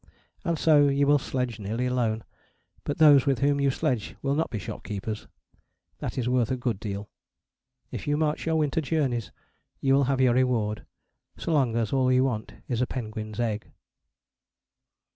And so you will sledge nearly alone, but those with whom you sledge will not be shopkeepers: that is worth a good deal. If you march your Winter Journeys you will have your reward, so long as all you want is a penguin's egg.